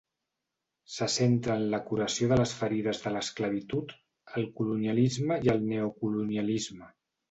Se centra en la curació de les ferides de l'esclavitud, el colonialisme i el neocolonialisme.